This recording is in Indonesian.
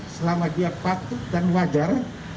selama dia patuh dan wajar